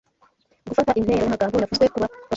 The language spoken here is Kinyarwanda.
gufata intero y’amagambo yavuzwe ku babaji